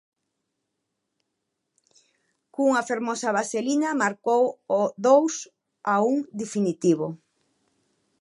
Cunha fermosa vaselina marcou o dous a un definitivo.